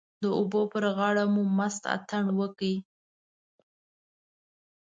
د اوبو پر غاړه مو مست اتڼ وکړ.